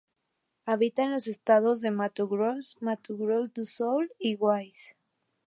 Habita en los estados de Mato Grosso, Mato Grosso do Sul y Goiás.